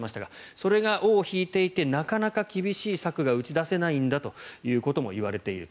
それが尾を引いていてなかなか厳しい策が打ち出せないんだということもいわれていると。